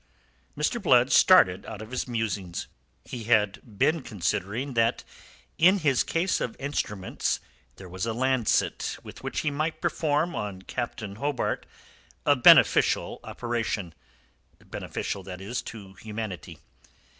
Mr. Blood started out of his musings. He had been considering that in his case of instruments there was a lancet with which he might perform on Captain Hobart a beneficial operation. Beneficial, that is, to humanity.